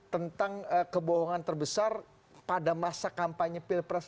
tentang kebohongan terbesar pada masa kampanye pilpres